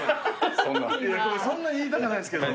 そんな言いたかないですけど。